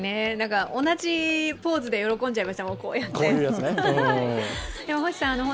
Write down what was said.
同じポーズで喜んじゃいましたもん。